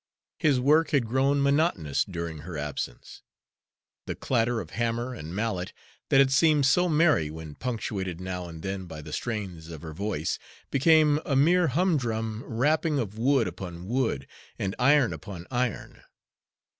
His work had grown monotonous during her absence; the clatter of hammer and mallet, that had seemed so merry when punctuated now and then by the strains of her voice, became a mere humdrum rapping of wood upon wood and iron upon iron.